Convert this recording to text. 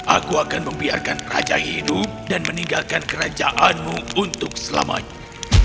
aku akan membiarkan raja hidup dan meninggalkan kerajaanmu untuk selamanya